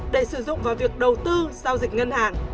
để sử dụng vào việc đầu tư giao dịch ngân hàng